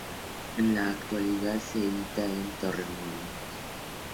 En la actualidad se edita en Torremolinos.